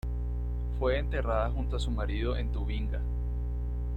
Fue enterrada junto a su marido en Tubinga.